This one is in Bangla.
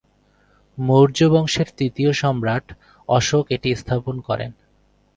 মৌর্য বংশের তৃতীয় সম্রাট অশোক এটি স্থাপন করেন।